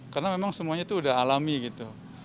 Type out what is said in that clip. karena memang semuanya itu sudah alami gitu